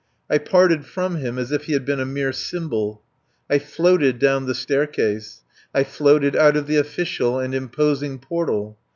I parted from him as if he were a mere symbol. I floated down the staircase. I floated out of the official and imposing portal.